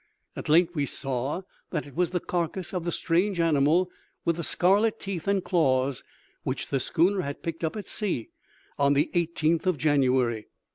At length we saw that it was the carcass of the strange animal with the scarlet teeth and claws which the schooner had picked up at sea on the eighteenth of January.